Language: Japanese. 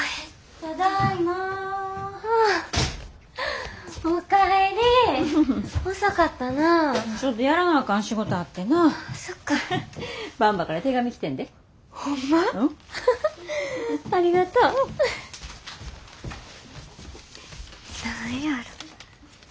何やろ。